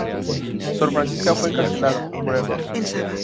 Sor Francisca fue encarcelada, por error.